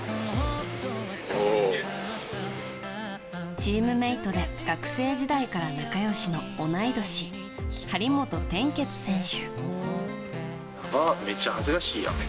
チームメートで学生時代からの仲良し張本天傑選手。